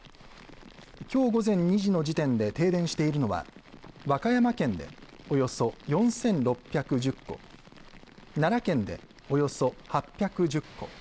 きょう午前２時の時点で停電しているのは和歌山県でおよそ４６１０戸奈良県でおよそ８１０戸